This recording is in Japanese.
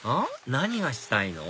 何がしたいの？